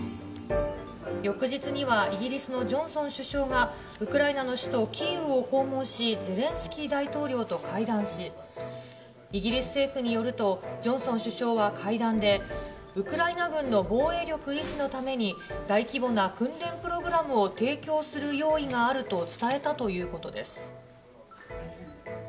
翌日には、イギリスのジョンソン首相が、ウクライナの首都キーウを訪問し、ゼレンスキー大統領と会談し、イギリス政府によると、ジョンソン首相は会談で、ウクライナ軍の防衛力維持のために、大規模な訓練プログラムを提供する用意があると伝えたということです。